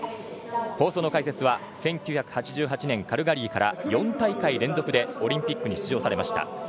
放送の解説は１９８８年カルガリーから４大会連続でオリンピックに出場されました。